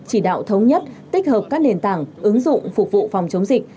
chỉ đạo thống nhất tích hợp các nền tảng ứng dụng phục vụ phòng chống dịch